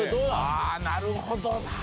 あぁなるほどな！